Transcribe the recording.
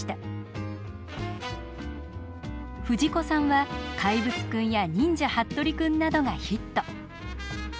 藤子さんは「怪物くん」や「忍者ハットリくん」などがヒット。